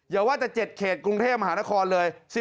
อย่าว่าแต่๗เขตกรุงเทพมหานครเลย